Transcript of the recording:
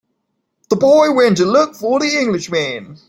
The boy went to look for the Englishman.